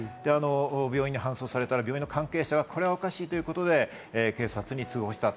病院に搬送されたら、病院の関係者が、これはおかしいということで警察に通報した。